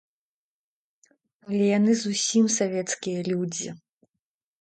Але яны зусім савецкія людзі.